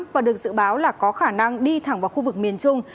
và được dự báo là có khả năng đi thẳng vào khu vực miền trung